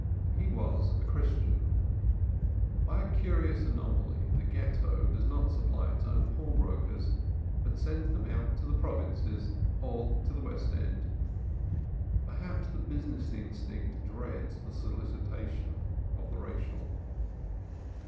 He was a Christian; by a curious anomaly the Ghetto does not supply its own pawnbrokers, but sends them out to the provinces or the West End. Perhaps the business instinct dreads the solicitation of the racial.